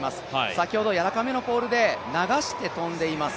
先ほど、やわらかめのポールで流して跳んでいます。